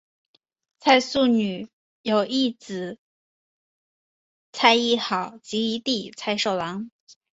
蔡素女有一姊蔡亦好及一弟蔡寿郎。